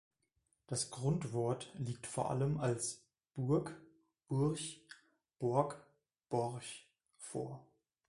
Das Grundwort liegt vor allem als -burg, -burch, -borg, -borch vor.